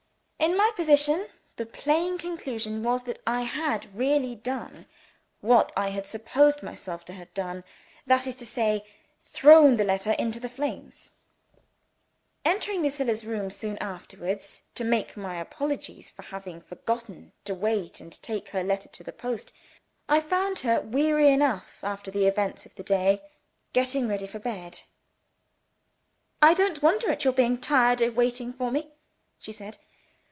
In my position, the plain conclusion was that I had really done what I supposed myself to have done that is to say, thrown the letter into the flames. Entering Lucilla's room, soon afterwards, to make my apologies for having forgotten to wait and take her letter to the post, I found her, weary enough after the events of the day, getting ready for bed. "I don't wonder at your being tired of waiting for me," she said.